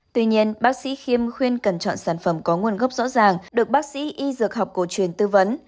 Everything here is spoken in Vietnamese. tuy nhiên bác sĩ khiêm khuyên cần chọn sản phẩm có nguồn gốc rõ ràng được bác sĩ y dược học cổ truyền tư vấn